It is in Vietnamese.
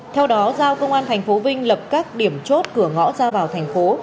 theo đó giao công an thành phố vinh lập các điểm chốt cửa ngõ ra vào thành phố